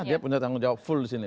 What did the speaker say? dia punya tanggung jawab full disini